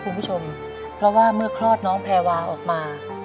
เพราะว่าเมื่อคลอดน้องแพรวาออกมา